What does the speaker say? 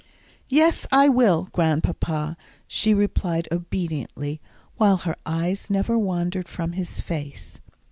"Yes, I will, Grandpapa," she replied obediently, while her eyes never wandered from his face.